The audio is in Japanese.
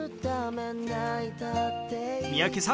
三宅さん